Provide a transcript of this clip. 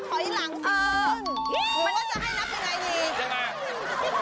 พรุ่งนี้๕สิงหาคมจะเป็นของใคร